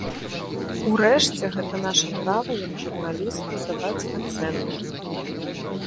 Урэшце, гэта наша права як журналістаў даваць ацэнкі.